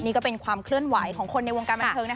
นี่ก็เป็นความเคลื่อนไหวของคนในวงการบันเทิงนะ